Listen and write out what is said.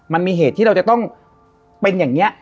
มันมีเหตุที่เราจะต้องเป็นอย่างนี้